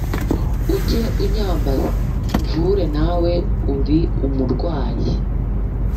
Ujye unyambaza nkuvure nawe uri umurwayi